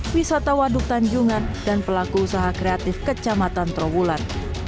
wisata waduk tanjungan dan pelaku usaha kreatif kecamatan trawulan